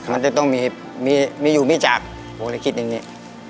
มันจะต้องมีอยู่มีจากผมเลยคิดอย่างนี้